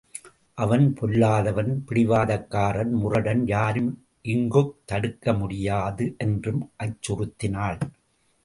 அவன் பொல்லாதவன் பிடிவாதக்காரன், முரடன் யாரும் இங்குத் தடுக்க முடியாது என்றும் அச்சுறுத்தினாள்.